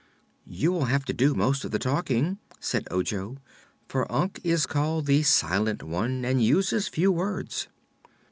"You will have to do most of the talking," said Ojo, "for Unc is called the Silent One and uses few words."